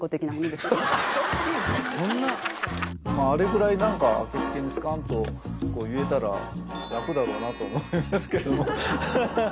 あれぐらい何かあけすけにスカンとこう言えたら楽だろうなと思いますけどハハハ。